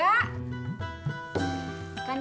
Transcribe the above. kan jawabnya mbak bet